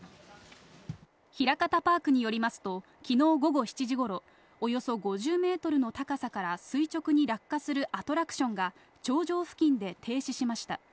ひらかたパークによりますと昨日午後７時頃、およそ５０メートルの高さから垂直に落下するアトラクションが頂上付近で停止しました。